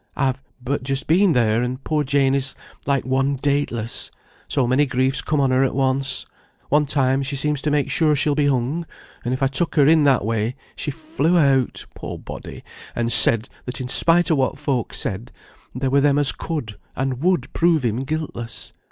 "I've but just been there, and poor Jane is like one dateless; so many griefs come on her at once. One time she seems to make sure he'll be hung; and if I took her in that way, she flew out (poor body!) and said, that in spite of what folk said, there were them as could, and would prove him guiltless.